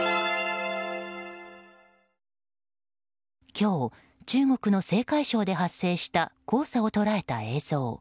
今日、中国の青海省で発生した黄砂を捉えた映像。